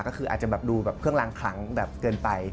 ก็คืออาจจะดูเครื่องรางคลังเกินไป